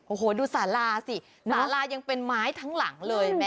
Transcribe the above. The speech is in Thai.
โอ้โหดูสาราสิสาลายังเป็นไม้ทั้งหลังเลย